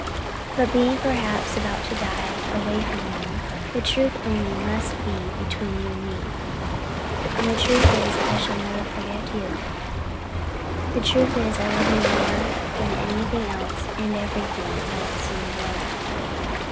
But being perhaps about to die, away from you, the truth only must be between you and me. And the truth is I never shall forget you. The truth is I love you more than anything else and everything else in all the world.